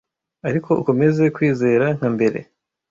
ariko ukomeze kwizera nka mbere